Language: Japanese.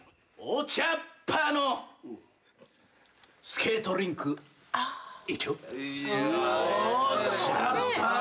お茶っぱのスケートリンク１丁！